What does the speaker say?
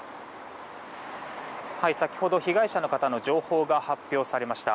先ほど被害者の方の情報が発表されました。